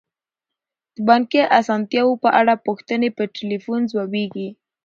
د بانکي اسانتیاوو په اړه پوښتنې په تلیفون ځوابیږي.